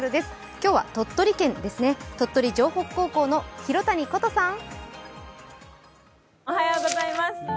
今日は鳥取県ですね、鳥取城北高校の廣谷琴さん。